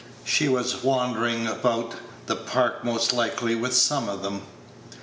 She was wandering about the Park most likely with some of them.